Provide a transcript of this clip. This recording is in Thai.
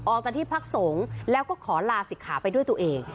ออกจากที่พักสงฆ์แล้วก็ขอลาศิกขาไปด้วยตัวเอง